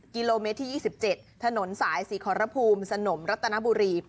กิโลเมตรที่๒๗ถนนสายศรีขอรภูมิสนมรัตนบุรี